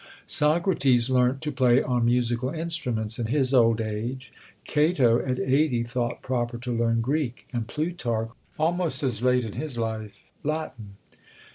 Socrates learnt to play on musical instruments in his old age; Cato, at eighty, thought proper to learn Greek; and Plutarch, almost as late in his life, Latin.